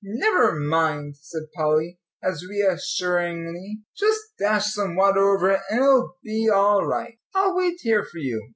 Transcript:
"Never mind," said Polly, as reassuringly, "just dash some water over it, and it'll be all right. I'll wait here for you."